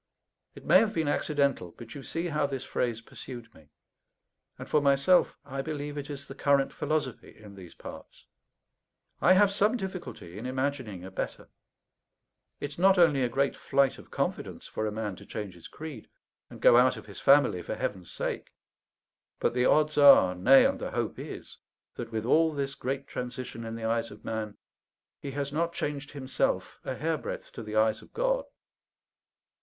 It may have been accidental, but you see how this phrase pursued me; and for myself, I believe it is the current philosophy in these parts. I have some difficulty in imagining a better. It's not only a great flight of confidence for a man to change his creed and go out of his family for heaven's sake; but the odds are nay, and the hope is that, with all this great transition in the eyes of man, he has not changed himself a hairbreadth to the eyes of God.